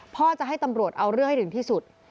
พ่อจะให้ตำรวจเอาเรื่องให้ถึงที่สุด